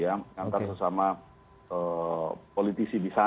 yang antar sesama politisi di sana